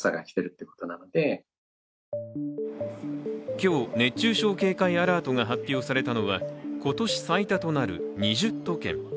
今日、熱中症警戒アラートが発表されたのは今年最多となる２０都県。